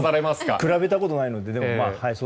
比べたことないので。